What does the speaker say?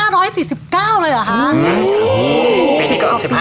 มันนี่ก็๑๕ปี